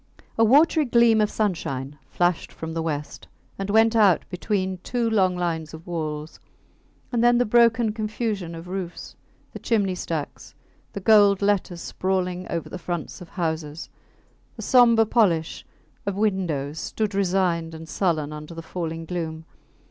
A watery gleam of sunshine flashed from the west and went out between two long lines of walls; and then the broken confusion of roofs, the chimney stacks, the gold letters sprawling over the fronts of houses, the sombre polish of windows, stood resigned and sullen under the falling gloom.